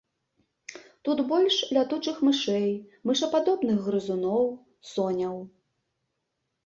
Тут больш лятучых мышэй, мышападобных грызуноў, соняў.